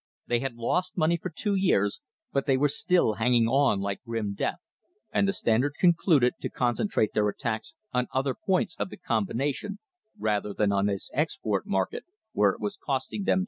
They had lost money for two years, but they were still hanging on like grim death, and the Standard concluded to concentrate their attacks on other points of the combina tion rather than on this export market where it was costing them so much.